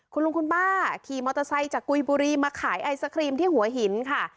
คุณลุงคุณป้าขี่มอเตอร์ไซค์จากกุยบุรีมาขายไอศครีมที่หัวหินค่ะ